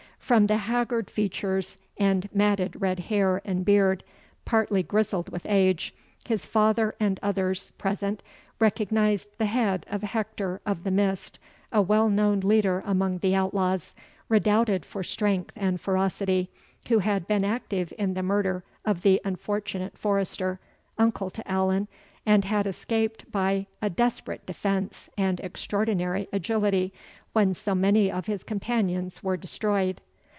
From the haggard features, and matted red hair and beard, partly grizzled with age, his father and others present recognised the head of Hector of the Mist, a well known leader among the outlaws, redoubted for strength and ferocity, who had been active in the murder of the unfortunate Forester, uncle to Allan, and had escaped by a desperate defence and extraordinary agility, when so many of his companions were destroyed.